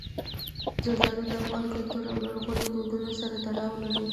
زردالو د افغان کلتور او لرغونو دودونو سره تړاو لري.